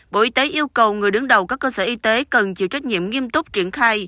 bộ y tế yêu cầu người đứng đầu các cơ sở y tế cần chịu trách nhiệm nghiêm túc triển khai